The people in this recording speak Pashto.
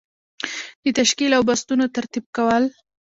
د تشکیل او بستونو ترتیب کول.